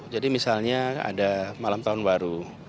jadi misalnya ada malam tahun baru